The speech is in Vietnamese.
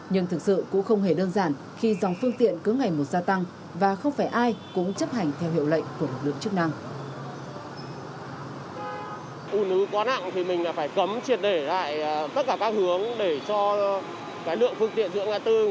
nhưng thực sự cũng không hề đơn giản khi dòng phương tiện cứ ngày một gia tăng và không phải ai cũng chấp hành theo hiệu lệnh của lực lượng chức năng